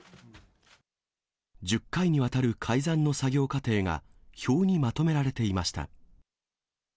１０回にわたる改ざんの作業過程が、表にまとめられていました。